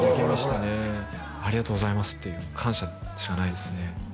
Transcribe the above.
これこれこれこれありがとうございますっていう感謝しかないですね